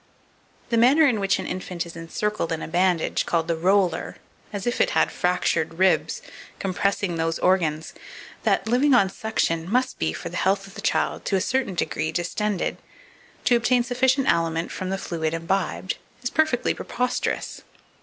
2494. The manner in which an infant is encircled in a bandage called the "roller," as if it had fractured ribs, compressing those organs that, living on suction, must be, for the health of the child, to a certain degree distended, to obtain sufficient aliment from the fluid imbibed is perfectly preposterous.